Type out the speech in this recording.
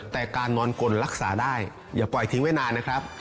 แต่การนอนกลรักษาได้อย่าปล่อยทิ้งไว้นานนะครับ